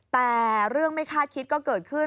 แต่เรื่องไม่คาดคิดก็เกิดขึ้น